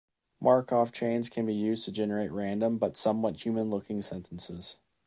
Markov chains can be used to generate random but somewhat human-looking sentences.